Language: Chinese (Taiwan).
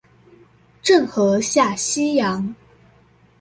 鄭和下西洋